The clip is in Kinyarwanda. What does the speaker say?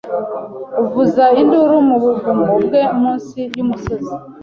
avuza induru mu buvumo bwe munsi yumusozi